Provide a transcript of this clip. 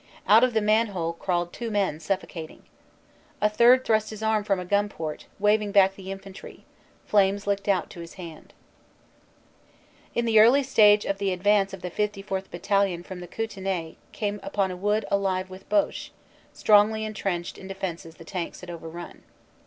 Out of the man hole crawled two men, suffocating. A third thrust his arm from a gun port, waving back the infantry; flames licked out to his hand In the early stage of the advance the 54th. Battalion from the Kootenay came upon a wood alive with Boche, strongly entrenched in defenses the tanks had overrun.